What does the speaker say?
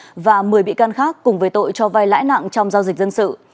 công an tỉnh đắk lắk đã phục vụ công an tỉnh đắk lắk cùng với tội cho vay lãi nặng trong giao dịch dân sự